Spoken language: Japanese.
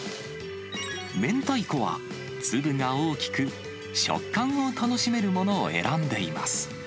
明太子は粒が大きく、食感を楽しめるものを選んでいます。